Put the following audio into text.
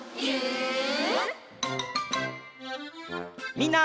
みんな。